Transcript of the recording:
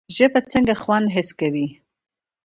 ژبه څنګه خوند حس کوي؟